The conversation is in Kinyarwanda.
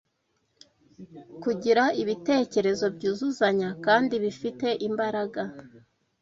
kugira ibitekerezo byuzuzanya kandi bifite imbaraga.